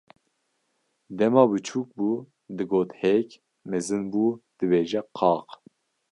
Dema biçûk bû digot hêk, mezin bû dibêje qaq.